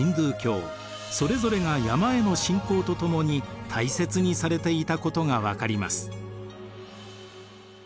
それぞれが山への信仰とともに大切にされていたことが分かります。